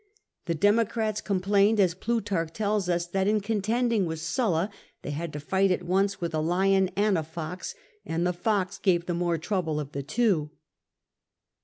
The Democrats com plained, as Plutarch tells us, that ' 4 n contending with Sulla they had to fight at once with a lion and a fox, and the fox gave the more trouble of the two."